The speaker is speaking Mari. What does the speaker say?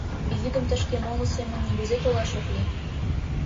Йӱдым тышке моло семын нигузе толаш ок лий.